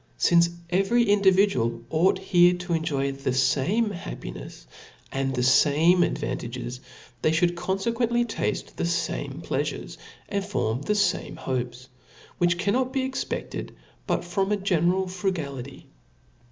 Sincf every individual ought here to enjoy the fame happinefs and the fame advantages, they ftould confequently tafte the fame pleafures and fornv the fame hopes ; which cannot be cxpefted but from a general frus ality.